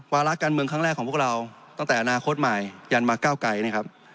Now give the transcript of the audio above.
วาระการเมืองครั้งแรกของพวกเราตั้งแต่อนาคตใหม่ยันมาก้าวไกรนะครับ